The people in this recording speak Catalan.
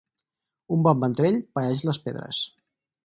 Un bon ventrell paeix les pedres.